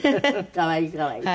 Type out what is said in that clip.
可愛い可愛い。